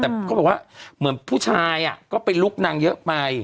แต่เขาบอกว่าเหมือนผู้ชายก็ไปลุกนางเยอะไป